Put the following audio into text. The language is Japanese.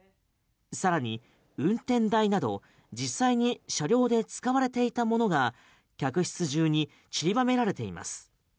更に運転台など実際に車両で使われていたものが客室中に散りばめられています。